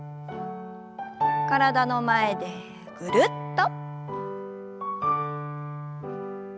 体の前でぐるっと。